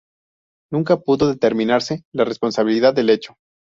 Nunca pudo determinarse la responsabilidad del hecho.